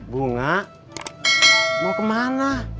bunga mau kemana